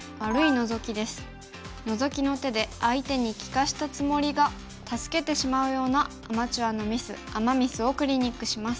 ノゾキの手で相手に利かしたつもりが助けてしまうようなアマチュアのミスアマ・ミスをクリニックします。